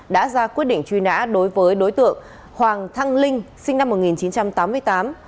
đã ra quyết định truy nã đối với đối tượng hoàng thăng linh sinh năm một nghìn chín trăm tám mươi tám